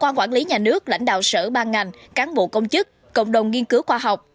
ngoài nước lãnh đạo sở ban ngành cán bộ công chức cộng đồng nghiên cứu khoa học